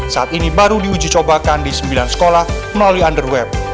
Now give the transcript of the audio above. kondisi baru di uji cobakan di sembilan sekolah melalui underweb